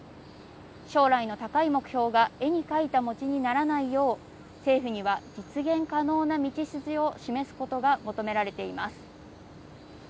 将来の高い目標が絵に描いた餅にならないよう政府には実現可能な道筋を示すことが求められています。